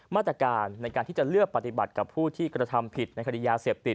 มาตรการในการที่จะเลือกปฏิบัติกับผู้ที่กระทำผิดในคดียาเสพติด